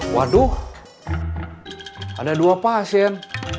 waduh ada dua pasien